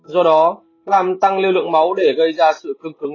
do đó làm tăng lưu lượng máu để gây ra sự cưng cường